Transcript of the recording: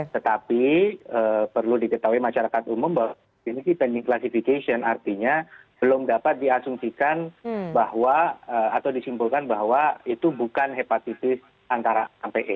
tetapi perlu diketahui masyarakat umum bahwa ini pending classification artinya belum dapat diasumsikan bahwa atau disimpulkan bahwa itu bukan hepatitis antara ampe